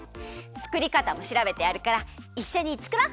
つくりかたもしらべてあるからいっしょにつくろう！